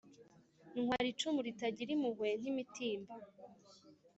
Ntwara icumu ritagira impuhwe nk'imitimba